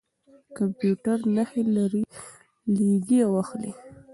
کمپیوټر نښې لېږي او اخلي.